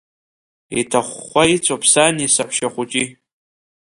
Иҭахәхәа ицәоуп сани саҳәшьа хәыҷи.